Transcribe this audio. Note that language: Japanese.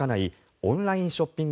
オンラインショッピング